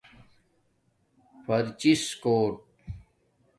پرچس کݸٹ